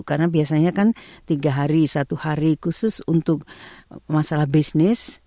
karena biasanya kan tiga hari satu hari khusus untuk masalah bisnis